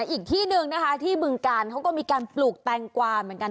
อีกที่หนึ่งนะคะที่บึงการเขาก็มีการปลูกแตงกวาเหมือนกัน